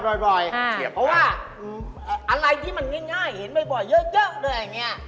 เพราะว่าอะไรที่มันง่ายเห็นบ่อยเยอะเลยอย่างนี้